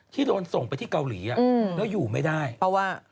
ที่โดนส่งไปที่เกาหลีแล้วอยู่ไม่ได้เพราะว่า